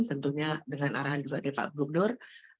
tentunya dengan arahan juga dari pak gubernur